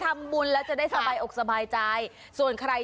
นาบิ๊จะบอกว่าเราหวานมัน